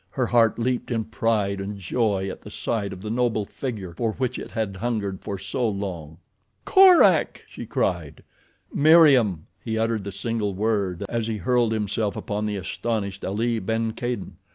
Her heart leaped in pride and joy at the sight of the noble figure for which it had hungered for so long. "Korak!" she cried. "Meriem!" He uttered the single word as he hurled himself upon the astonished Ali ben Kadin.